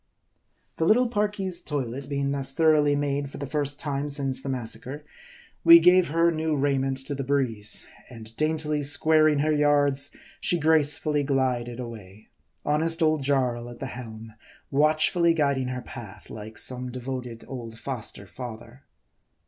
The little Parki's toilet being thus thoroughly made for the first time since the massacre, we gave her new raiment to the breeze, and daintily squaring her yards, she gracefully glided away ; honest old Jarl at the helm, watchfully guiding her path, like some devoted old foster father.